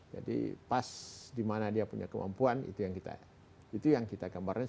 jadi pas di mana dia punya kemampuan itu yang kita gambarkan